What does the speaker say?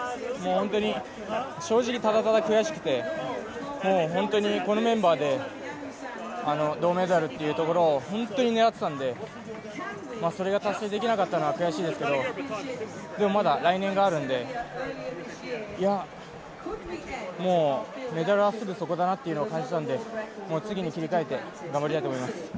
正直、ただただ悔しくて、このメンバーで銅メダルというところを本当に狙っていたので、それができなかったのは悔しいですけど、でも来年があるんで、もうメダルはすぐそこだなっていうのを感じたんで次に切り替えて頑張りたいと思います。